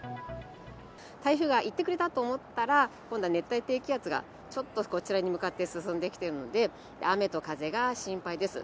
台風が行ってくれたと思ったら、今度は熱帯低気圧が、ちょっとこちらに向かって進んできているので、雨と風が心配です。